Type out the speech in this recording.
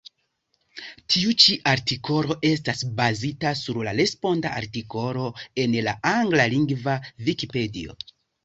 Tiu ĉi artikolo estas bazita sur la responda artikolo en la anglalingva Vikipedio.